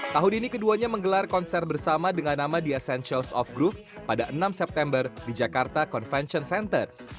tahun ini keduanya menggelar konser bersama dengan nama the essentials of group pada enam september di jakarta convention center